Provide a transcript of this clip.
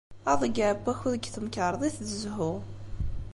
Aḍeyyeɛ n wakud deg temkarḍit d zzhu.